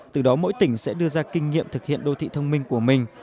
từ đó mỗi tỉnh sẽ đưa ra kinh nghiệm thực hiện đô thị thông minh của mình